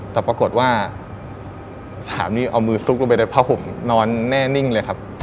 แต่ปรากฏว่าสามนี่เอามือซุกลงไปในผ้าห่มนอนแน่นิ่งเลยครับ